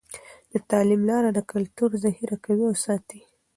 د تعلیم لاره د کلتور ذخیره کوي او ساتي.